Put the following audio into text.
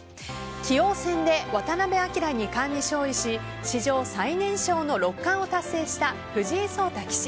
棋王戦で渡辺明二冠に勝利し史上最年少の六冠を達成した藤井聡太棋士。